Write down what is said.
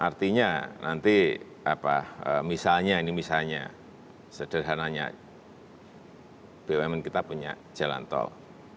artinya nanti misalnya ini misalnya sederhananya bumn kita punya jalan tol